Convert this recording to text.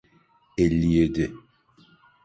Elli yedi.